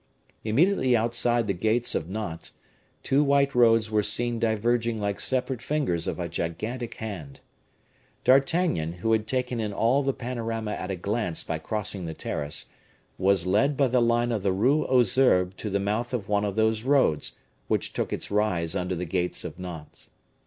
Immediately outside the gates of Nantes two white roads were seen diverging like separate fingers of a gigantic hand. D'Artagnan, who had taken in all the panorama at a glance by crossing the terrace, was led by the line of the Rue aux Herbes to the mouth of one of those roads which took its rise under the gates of Nantes.